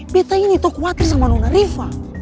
beta ini tuh khawatir sama nona rifa